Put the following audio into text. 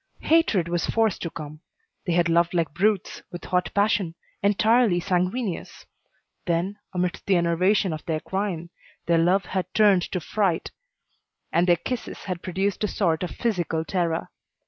Hatred was forced to come. They had loved like brutes, with hot passion, entirely sanguineous. Then, amidst the enervation of their crime, their love had turned to fright, and their kisses had produced a sort of physical terror.